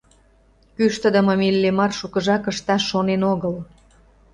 Кӱштыдымым Иллимар шукыжак ышташ шонен огыл.